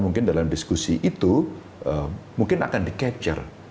mungkin dalam diskusi itu mungkin akan di capture